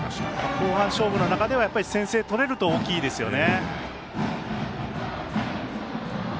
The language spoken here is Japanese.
後半、勝負の中ではやっぱり先制取れると大きいですよね。